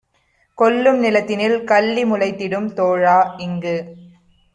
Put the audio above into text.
கொள்ளும் நிலத்தினில் கள்ளி முளைத்திடும் தோழா - இங்கு